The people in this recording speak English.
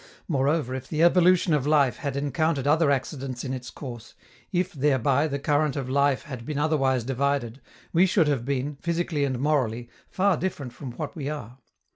Moreover, if the evolution of life had encountered other accidents in its course, if, thereby, the current of life had been otherwise divided, we should have been, physically and morally, far different from what we are.